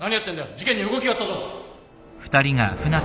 事件に動きがあったぞ。